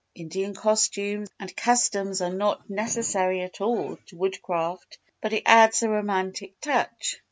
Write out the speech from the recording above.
Indian costumes and customs are not necessary at all to Woodcraft but it adds a romantic touch.